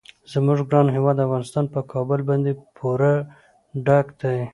زموږ ګران هیواد افغانستان په کابل باندې پوره ډک دی.